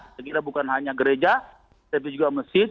sekiranya bukan hanya gereja tapi juga masjid